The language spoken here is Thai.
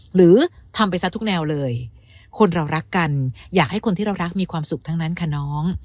หรือทำไปซะทุกแนวเลยคนเรารักกันอยากให้คนที่เรารักมีความสุขทั้งนั้นค่ะน้อง